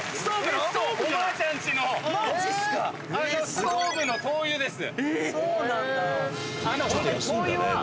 ストーブの灯油です。